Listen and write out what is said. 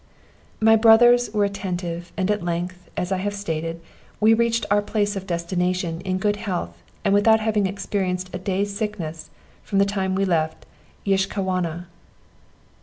My brothers were attentive, and at length, as I have stated, we reached our place of destination, in good health, and without having experienced a day's sickness from the time we left Yiskahwana.